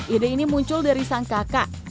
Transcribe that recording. ide ini muncul dari sang kakak